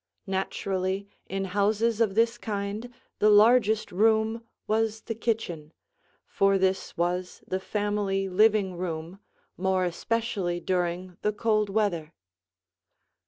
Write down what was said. Naturally in houses of this kind the largest room was the kitchen, for this was the family living room, more especially during the cold weather.